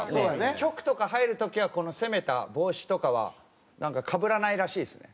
局とか入る時はこの攻めた帽子とかはかぶらないらしいですね。